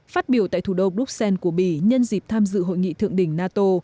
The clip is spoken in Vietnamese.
phát biểu tại thủ đô bruxelles của bỉ nhân dịp tham dự hội nghị thượng đỉnh nato